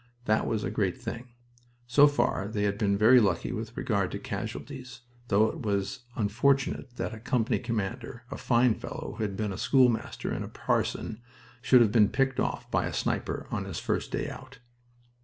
That was a great thing. So far they had been very lucky with regard to casualties, though it was unfortunate that a company commander, a fine fellow who had been a schoolmaster and a parson, should have been picked off by a sniper on his first day out.